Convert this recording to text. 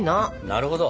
なるほど。